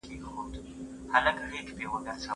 ژبه زموږ ګډ کور دی.